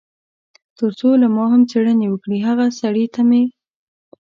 تر څو له ما هم څېړنې وکړي، هغه سړي ته مې.